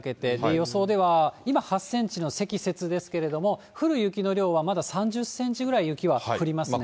予想では、今、８センチの積雪ですけれども、降る雪の量はまだ３０センチぐらい雪は降りますね。